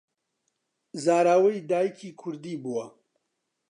زاراوەی دایکی کوردی بووە